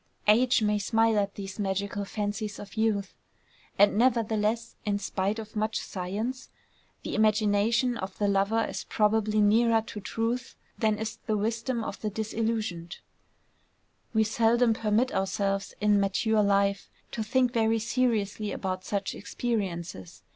Age may smile at these magical fancies of youth; and nevertheless, in spite of much science, the imagination of the lover is probably nearer to truth than is the wisdom of the disillusioned. We seldom permit ourselves in mature life to think very seriously about such experiences.